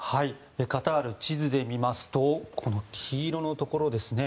カタールを地図で見ますとこの黄色のところですね。